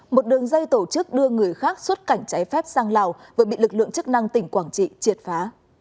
một đường dây tổ chức đưa người khác xuất cảnh trái phép sang lào vừa bị lực lượng chức năng tỉnh quảng trị triệt phá